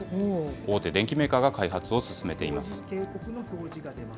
大手電機メーカーが開発を進めています。